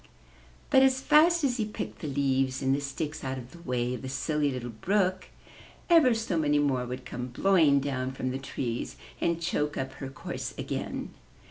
But as fast as he picked the leaves and the sticks out of the way of the Silly Little Brook, ever so many more would come blowing down from the trees and choke up her course again.